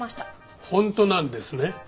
本当なんですね？